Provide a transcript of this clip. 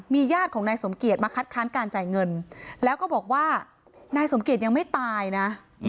ญาติของนายสมเกียจมาคัดค้านการจ่ายเงินแล้วก็บอกว่านายสมเกียจยังไม่ตายนะ